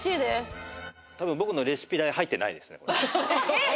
えっ！